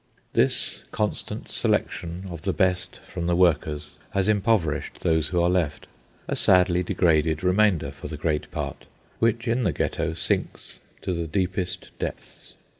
This constant selection of the best from the workers has impoverished those who are left, a sadly degraded remainder, for the great part, which, in the Ghetto, sinks to the deepest depths.